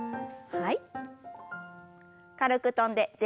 はい。